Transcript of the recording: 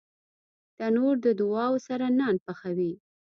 تنور د دعاوو سره نان پخوي